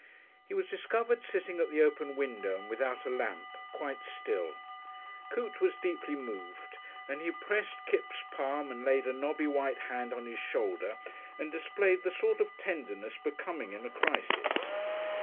He was discovered sitting at the open window and without a lamp, quite still. Coote was deeply moved, and he pressed Kipps' palm and laid a knobby, white hand on his shoulder and displayed the sort of tenderness becoming in a crisis.